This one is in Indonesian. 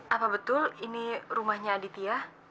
apa betul ini rumahnya aditya